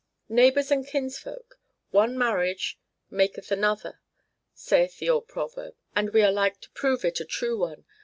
"Neighbors and kinsfolk, one marriage maketh another, saith the old proverb, and we are like to prove it a true one.